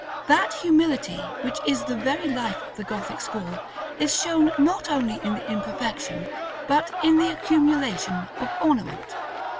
That humility, which is the very life of the Gothic school, is shown not only in the imperfection, but in the accumulation, of ornament.